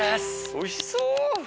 おいしそう！